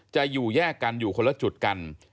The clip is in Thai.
จะอยู่แยกกันอยู่คนละจุดกัน